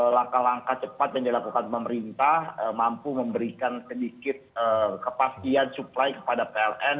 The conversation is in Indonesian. langkah langkah cepat yang dilakukan pemerintah mampu memberikan sedikit kepastian supply kepada pln